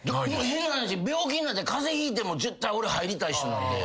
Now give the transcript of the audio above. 変な話病気になって風邪ひいても絶対俺入りたい人なんで。